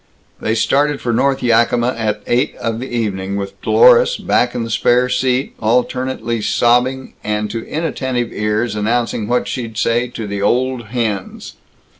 They started for North Yakima at eight of the evening, with Dlorus, back in the spare seat, alternately sobbing and to inattentive ears announcing what she'd say to the Old Hens.